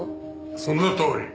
そのとおり。